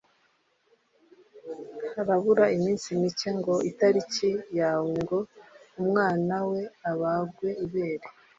Harabura iminsi mike ngo itariki yahawe ngo umwana we abagwe ibere